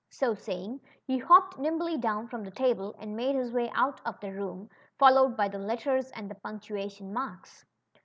So saying, he hopped nimbly down from the table and made his way out of the room, fol lowed by the letters and punctuation marks.